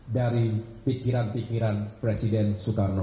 dari pikiran pikiran presiden soekarno